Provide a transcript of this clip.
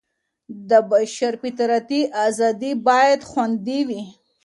د بشر فطرتي ازادي بايد خوندي وي.